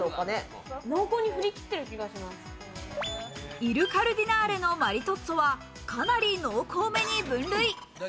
イル・カルディナーレのマリトッツォはかなり濃厚目に分類。